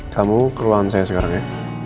kamu keruangan saya sekarang ya